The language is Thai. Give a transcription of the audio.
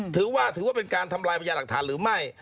ถือว่าเป็นการทำลายพญาหลักฐานหรือไม่